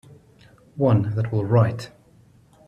One that will write.